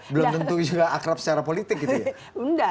belum tentu juga akrab secara politik gitu ya